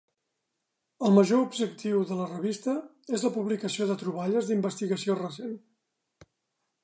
El major objectiu de la revista és la publicació de troballes d'investigació recent.